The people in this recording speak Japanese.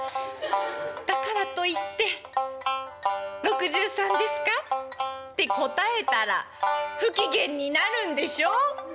だからといって「６３ですか？」って答えたら不機嫌になるんでしょ？